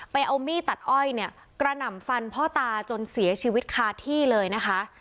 เอามีดตัดอ้อยเนี่ยกระหน่ำฟันพ่อตาจนเสียชีวิตคาที่เลยนะคะ